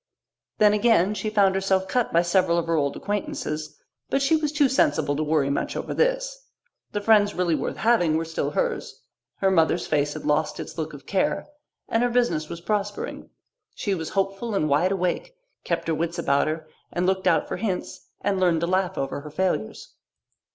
Then, again, she found herself cut by several of her old acquaintances. But she was too sensible to worry much over this. The friends really worth having were still hers, her mother's face had lost its look of care, and her business was prospering. She was hopeful and wide awake, kept her wits about her and looked out for hints, and learned to laugh over her failures.